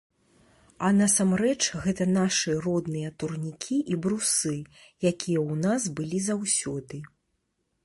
А насамрэч, гэта нашы родныя турнікі і брусы, якія ў нас былі заўсёды.